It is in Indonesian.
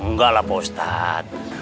enggak lah pak ustadz